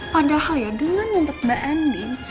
padahal ya dengan nuntut banding